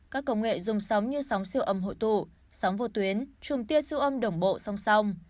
các công nghệ dùng sóng như sóng siêu âm hội tụ sóng vô tuyến chùm tia siêu âm đồng bộ song song